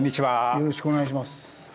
よろしくお願いします。